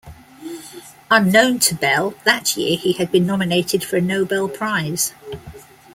Unknown to Bell, that year he had been nominated for a Nobel Prize.